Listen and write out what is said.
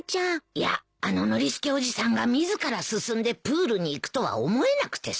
いやあのノリスケおじさんが自ら進んでプールに行くとは思えなくてさ。